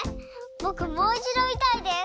ぼくもういちどみたいです！